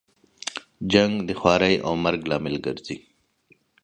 جنګ د خوارۍ او مرګ لامل ګرځي.